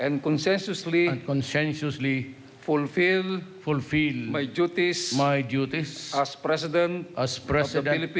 นี่คือครับ